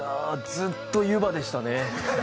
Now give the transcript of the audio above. ずっと湯葉でしたね。